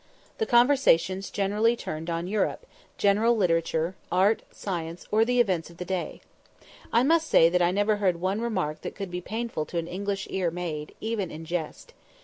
The conversation generally turned on Europe, general literature, art, science, or the events of the day. I must say that I never heard one remark that could be painful to an English ear made, even in jest.